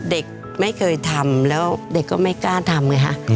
เด็กไม่เคยทำแล้วเด็กก็ไม่กล้าทำไงฮะ